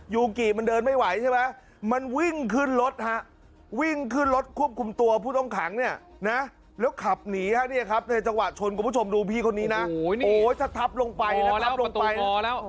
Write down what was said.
ยูกิมันเดินไม่ไหวใช่ไหมมันวิ่งขึ้นรถฮะวิ่งขึ้นรถควบคุมตัวผู้ต้องขังเนี่ยนะแล้วขับหนีฮะเนี่ยครับในจังหวะชนคุณผู้ชมดูพี่คนนี้นะโอ้โหถ้าทับลงไปนะครับลงไป